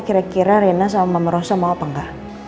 kira kira rena sama mama rosa mau apa enggak